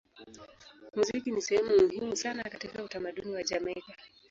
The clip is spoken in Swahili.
Muziki ni sehemu muhimu sana katika utamaduni wa Jamaika.